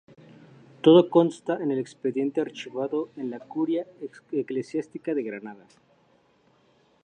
Todo consta en el expediente archivado en la Curia Eclesiástica de Granada.